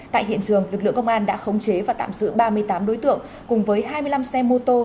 tại hiện trường lực lượng công an đã khống chế và tạm giữ ba mươi tám đối tượng cùng với hai mươi năm xe mô tô